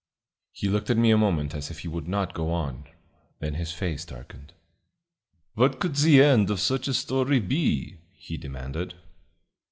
He looked at me a moment as if he would not go on. Then his face darkened. "What could the end of such a story be?" he demanded.